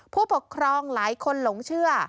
ผู้ปกครองหลายคนหลงเชื่อ